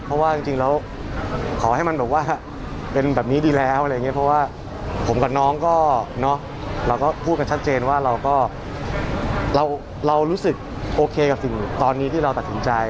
เพราะว่าจริงเราขอให้มันเป็นแบบนี้ดีแล้วเพราะว่าผมกับน้องก็เราก็พูดกันชัดเจนว่าเรารู้สึกโอเคกับสิ่งตอนนี้ที่เราตัดสินใจ